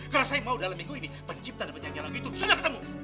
karena saya mau dalam minggu ini pencipta dan penyanyi lagu itu sudah ketemu